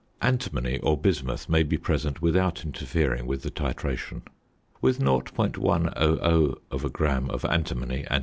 Antimony or bismuth may be present without interfering with the titration. With 0.100 gram of antimony and 0.